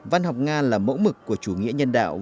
văn học nga là mẫu mực của chủ nghĩa nhân đạo